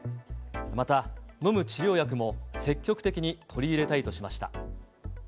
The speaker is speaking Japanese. また飲む治療薬も積極的に取り入れたいとしました。